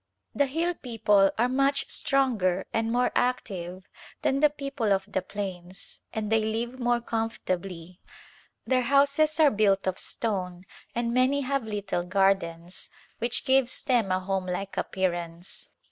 The hill people are much stronger and more active than the people of the plains, and they live more com fortably. Their houses are built of stone and many have little gardens which gives them a homelike ap pearance.